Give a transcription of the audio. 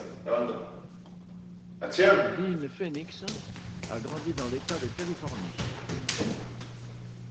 Dean Phoenix a grandi dans l'État de Californie.